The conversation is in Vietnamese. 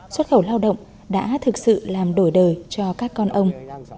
xuất khẩu lao động đã thực sự làm đổi đời cho các con ông